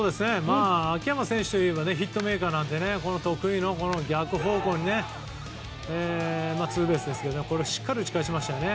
秋山選手といえばヒットメーカーなのでこの得意の逆方向にツーベースですけどしっかり打ち返しましたよね。